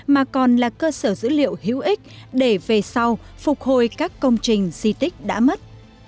mà còn là cơ sở dữ liệu hữu ích để về sau phục hồi các công trình di tích đã mất